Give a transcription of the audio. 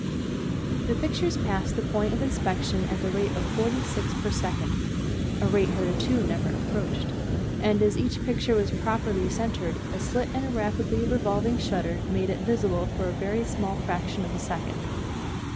The pictures passed the point of inspection at the rate of forty six per second (a rate hitherto never approached), and as each picture was properly centred a slit in a rapidly revolving shutter made it visible for a very small fraction of a second.